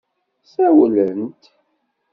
Ssawlent.